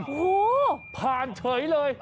โหผ่านเฉยเลย